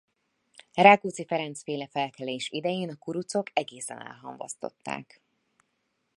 Rákóczy Ferencz-féle felkelés idején a kuruczok egészen elhamvasztották.